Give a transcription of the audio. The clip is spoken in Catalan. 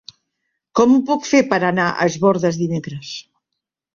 Com ho puc fer per anar a Es Bòrdes dimecres?